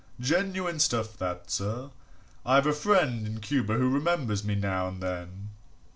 "Genuine stuff that, sir I've a friend in Cuba who remembers me now and then.